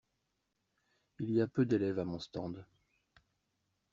Il y a peu d'élèves à mon stand.